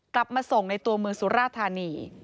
กลับมาส่งในตัวเมืองสุราธานี